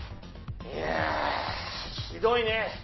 いやひどいね。